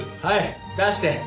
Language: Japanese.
はい出して。